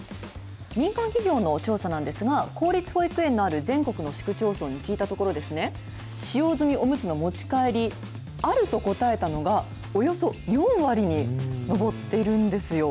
民間企業の調査なんですが、公立保育園のある全国の市区町村に聞いたところ、使用済みおむつの持ち帰り、あると答えたのが、およそ４割に上っているんですよ。